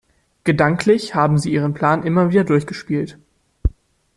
Gedanklich haben sie ihren Plan immer wieder durchgespielt.